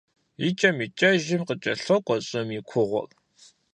ИкӀэм-икӀэжым къыкӀэлъокӀуэ щӀым и кугъуэр.